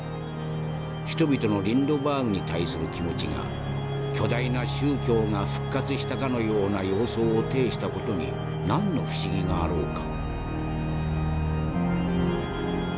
人々のリンドバーグに対する気持ちが巨大な宗教が復活したかのような様相を呈した事に何の不思議があろうか」。